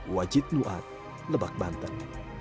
wajid luat lebak banten